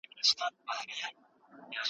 رندان ډیر دي